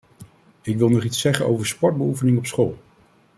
Ik wil nog iets zeggen over sportbeoefening op school.